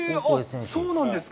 そうなんですか。